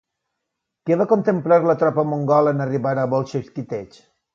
Què va contemplar la tropa mongola en arribar a Bólxoi Kítej?